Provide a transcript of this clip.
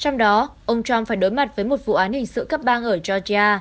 trong đó ông trump phải đối mặt với một vụ án hình sự cấp bang ở georgia